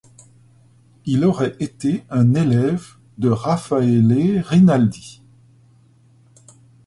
Il aurait été un élève de Raffaele Rinaldi.